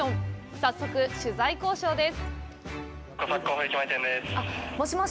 早速、取材交渉です！